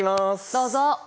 どうぞ。